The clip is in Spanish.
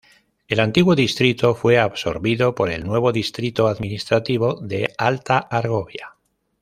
El antiguo distrito fue absorbido por el nuevo distrito administrativo de Alta Argovia.